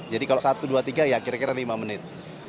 jadi kalau satu dua tiga ya kira kira lima menit